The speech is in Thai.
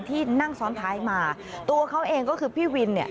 ที่นั่งซ้อนท้ายมาตัวเขาเองก็คือพี่วินเนี่ย